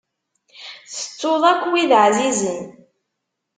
Tettuḍ akk wid ɛzizen.